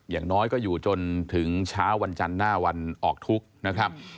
อย่างน้อยก็อยู่จนถึงเช้าวันจันทร์หน้าวันออกทุกข์นะครับ